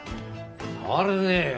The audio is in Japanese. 触れねえよ。